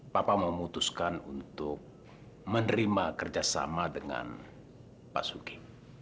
papa memutuskan untuk menerima kerjasama dengan pak sugi